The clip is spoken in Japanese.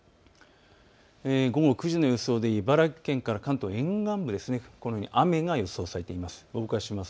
午後９時の予想で茨城県から関東沿岸部、雨が予想されています。